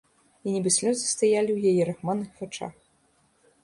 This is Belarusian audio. І нібы слёзы стаялі ў яе рахманых вачах.